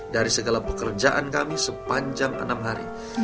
dari segala pekerjaan kami sepanjang enam hari